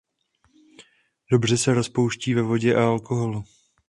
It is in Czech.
Dobře se rozpouští ve vodě a v alkoholu.